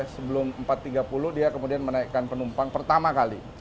sebelum empat tiga puluh dia kemudian menaikkan penumpang pertama kali